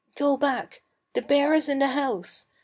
Go back! The bear is in the house!